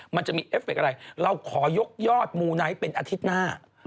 มันจะมีเอฟเคอะไรเราขอยกยอดมูไนท์เป็นอาทิตย์หน้า